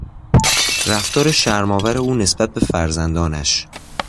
رفتار شرمآور او نسبت به فرزندانش